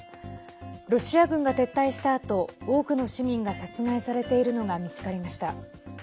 ロシア軍が撤退したあと多くの市民が殺害されているのが見つかりました。